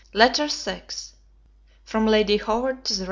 LETTER VI LADY HOWARD TO THE REV.